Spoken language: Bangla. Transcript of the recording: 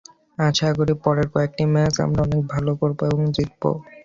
আশা করি পরের কয়েকটি ম্যাচ আমরা অনেক ভালো করব এবং জিতব।